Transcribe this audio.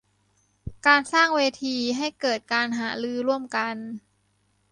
การสร้างเวทีให้เกิดการหารือร่วมกัน